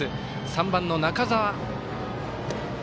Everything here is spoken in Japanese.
３番の中澤。